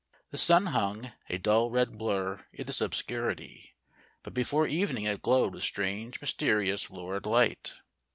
The sun hung, a dull red blur in this obscurity ; but before evening it glowed with strange, mysterious, lurid light.